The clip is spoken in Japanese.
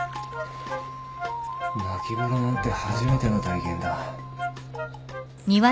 まき風呂なんて初めての体験だ。